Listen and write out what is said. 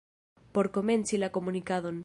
Por komenci la komunikadon.